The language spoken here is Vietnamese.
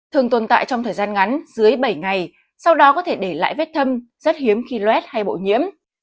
thường tồn tại trong thời gian ngắn dưới bảy ngày sau đó có thể để lại vết thâm rất hiếm khi loát hay bộ nhiễm